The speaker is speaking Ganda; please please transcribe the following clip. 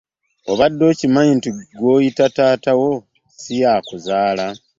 Obadde okimanyi nti gw'oyita taata wo si y'akuzaala.